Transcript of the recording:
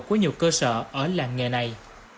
của nhiều cơ sở ở làng nghề này